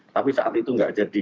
tapi saat itu nggak jadi